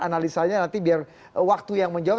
analisanya nanti biar waktu yang menjawab